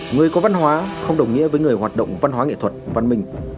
người có văn hóa không đồng nghĩa với người hoạt động văn hóa nghệ thuật văn minh